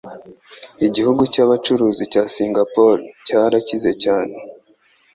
Igihugu cyabacuruzi cya Singapore cyarakize cyane